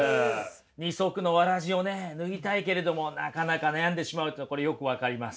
二足のわらじをね脱ぎたいけれどもなかなか悩んでしまうっていうのこれよく分かります。